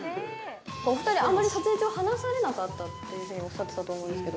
お２人、あんまり撮影中は、話されなかったっていうふうにおっしゃってたと思うんですけど。